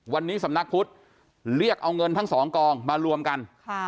วันนี้สำนักพุทธเรียกเอาเงินทั้งสองกองมารวมกัน